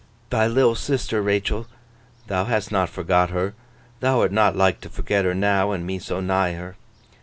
'Thy little sister, Rachael, thou hast not forgot her. Thou'rt not like to forget her now, and me so nigh her.